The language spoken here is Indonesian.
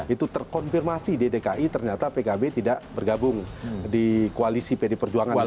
itu terkonfirmasi di dki ternyata pkb tidak bergabung di koalisi pd perjuangan